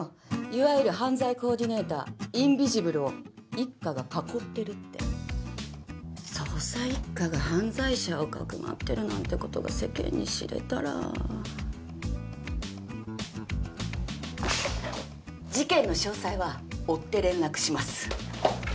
いわゆる犯罪コーディネーターインビジブルを一課が囲ってるって捜査一課が犯罪者をかくまってるなんてことが世間に知れたら事件の詳細は追って連絡します